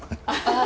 ああ